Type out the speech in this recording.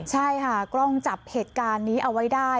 ใช่ค่ะกล้องจับเหตุการณ์นี้เอาไว้ได้